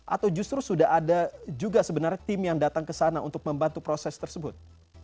atau justru sudah ada juga sebenarnya tim yang datang ke sana untuk membantu proses tersebut